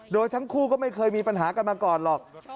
โดยทั้งคู่ก็ไม่เคยมีปัญหากันมาก่อนหรอก